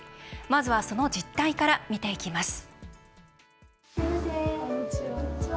まずはその実態から見ていきます。